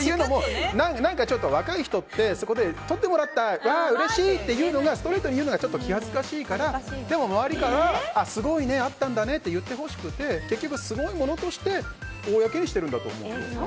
若い人って、そこで撮ってもらった、うれしい！ってストレートに言うのが気恥ずかしいからでも周りからすごいね会ったんだねって言ってほしくて結局すごいものとして公にしてるんだと思うよ。